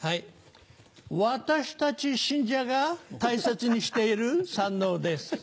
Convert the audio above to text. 私たち信者が大切にしている三ＮＯです。